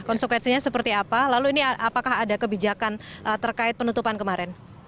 konsekuensinya seperti apa lalu ini apakah ada kebijakan terkait penutupan kemarin